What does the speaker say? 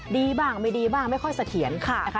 ดีบ้างไม่ดีบ้างไม่ค่อยเสถียรนะคะ